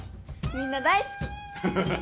みんな大好き！